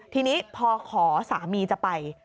ทีนี้พอขอสามีจะไป